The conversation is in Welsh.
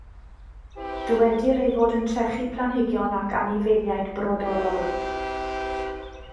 Dywedir ei fod yn trechu planhigion ac anifeiliaid brodorol.